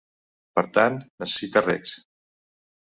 Per tant, necessita regs.